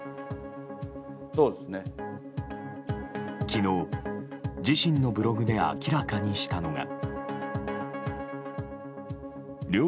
昨日、自身のブログで明らかにしたのが。